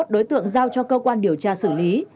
ba mươi một đối tượng giao cho cơ quan điều tra xử lý